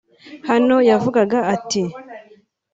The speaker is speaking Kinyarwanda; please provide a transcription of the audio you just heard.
Hano yavugaga ati